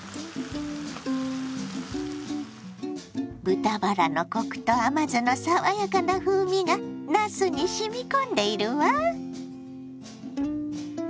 豚バラのコクと甘酢の爽やかな風味がなすにしみ込んでいるわ。